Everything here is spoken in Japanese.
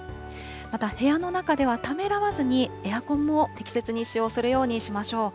また部屋の中では、ためらわずにエアコンも適切に使用するようにしましょう。